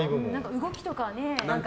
動きとかね。